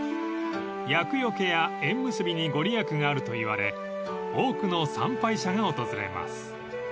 ［厄除けや縁結びにご利益があるといわれ多くの参拝者が訪れます］